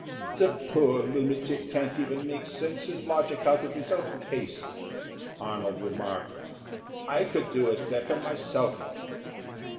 "The poor lunatic can't even make sense and logic out of his own case," Arnold remarked. "I could do it better myself."